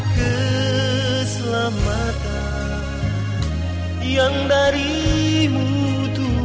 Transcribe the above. keselamatan yang darimu tuntas